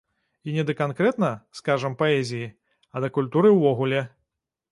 І не да канкрэтна, скажам, паэзіі, а да культуры ўвогуле.